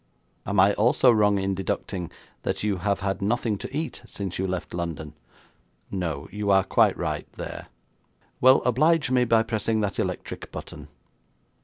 'Am I also wrong in deducting that you have had nothing to eat since you left London?' 'No, you are quite right there.' 'Well, oblige me by pressing that electric button.'